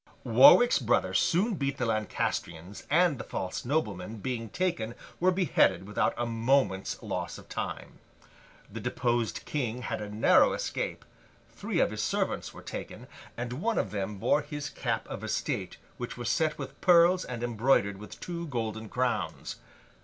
Warwick's brother soon beat the Lancastrians, and the false noblemen, being taken, were beheaded without a moment's loss of time. The deposed King had a narrow escape; three of his servants were taken, and one of them bore his cap of estate, which was set with pearls and embroidered with two golden crowns.